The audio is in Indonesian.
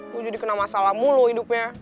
aku jadi kena masalah mulu hidupnya